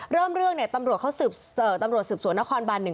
เริ่มเรื่องเนี่ยตำรวจเขาสืบตำรวจสืบสวนนครบานหนึ่ง